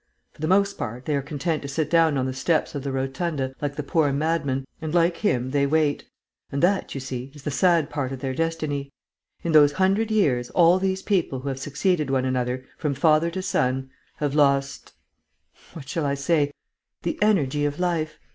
For the most part, they are content to sit down on the steps of the rotunda, like the poor madman; and, like him, they wait. And that, you see, is the sad part of their destiny. In those hundred years, all these people who have succeeded one another, from father to son, have lost what shall I say? the energy of life.